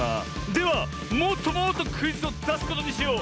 ではもっともっとクイズをだすことにしよう！